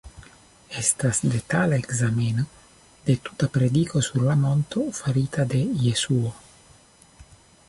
Estas detala ekzameno de tuta prediko sur la monto farita de Jesuo.